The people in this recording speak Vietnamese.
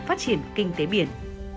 phát triển kinh tế biển